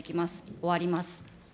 終わります。